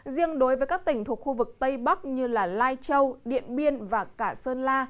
riêng đối với các tỉnh thuộc khu vực tây bắc như lai châu điện biên và cả sơn la